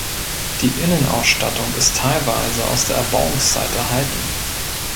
Die Innenausstattung ist teilweise aus der Erbauungszeit erhalten.